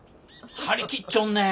張り切っちょんねえ。